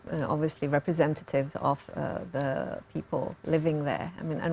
yang jelas adalah representatif orang orang